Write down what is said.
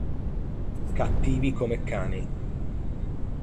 Cattivi come cani.